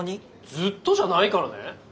ずっとじゃないからね。